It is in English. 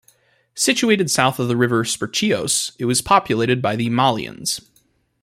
Situated south of the river Spercheios, it was populated by the Malians.